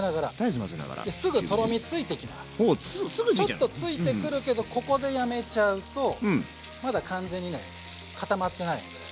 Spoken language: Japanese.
ちょっとついてくるけどここでやめちゃうとまだ完全にね固まってない。